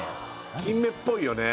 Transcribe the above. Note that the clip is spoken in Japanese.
キンメっぽいよね